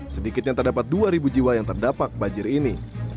sedikitnya terdapat dua jiwa yang terdapat banjir ini